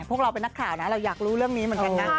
พวกเราเป็นนักข่าวนะเราอยากรู้เรื่องนี้เหมือนกันนะ